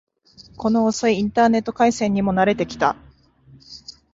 この遅いインターネット回線にも慣れてきた